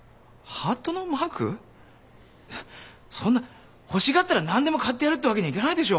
そんな欲しがったら何でも買ってやるってわけにはいかないでしょ。